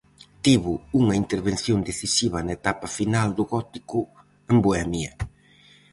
Tivo unha intervención decisiva na etapa final do gótico en Bohemia.